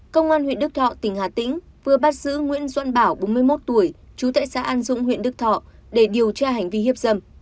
công an huyện đức thọ tỉnh hà tĩnh vừa bắt giữ nguyễn duân bảo bốn mươi một tuổi chú tại xã an dũng huyện đức thọ để điều tra hành vi hiếp dâm